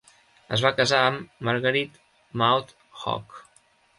Es va casar amb Marguerite Maud Hogg.